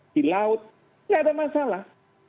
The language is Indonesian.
di laut tidak ada masalah